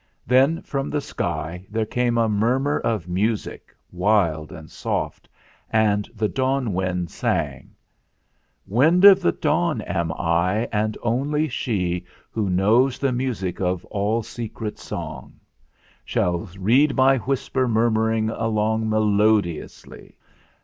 Then from the sky there came a murmur of music, wild and soft, and the Dawn Wind sang: "Wind of the Dawn am I, and only She Who knows the music of all secret song "GOOD BYE, FLINT HEART!" 333 Shall read my whisper murmuring along Melodiously.